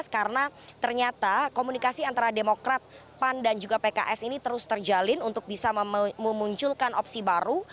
karena ternyata komunikasi antara demokrat pan dan juga pks ini terus terjalin untuk bisa memunculkan opsi baru